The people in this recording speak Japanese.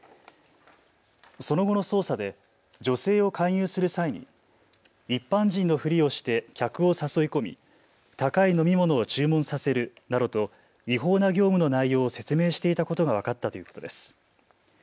その後の捜査で女性を勧誘する際に一般人のふりをして客を誘い込み高い飲み物を注文させるなどと違法な業務の内容を説明していたことが分かったということです。